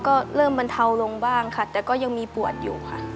ก็เริ่มบรรเทาลงบ้างค่ะแต่ก็ยังมีปวดอยู่ค่ะ